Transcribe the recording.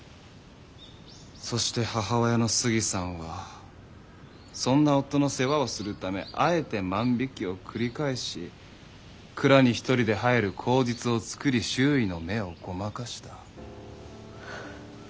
そして母親のスギさんはそんな夫の世話をするためあえて万引きを繰り返し蔵に一人で入る口実を作り周囲の目をごまかした。